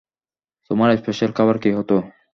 তোমার স্পেশাল খাবার কী হতো?